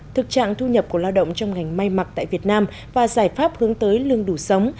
thực trạng thu nhập của lao động trong ngành may mặc tại việt nam và giải pháp hướng tới lương đủ sống